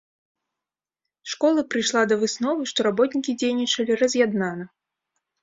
Школа прыйшла да высновы, што работнікі дзейнічалі раз'яднана.